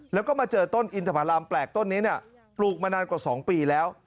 แล้วก็มาเจอต้นอินทรามแปลกต้นนี้ปลูกมานานกว่า๒ปีแล้ว